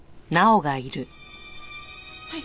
はい。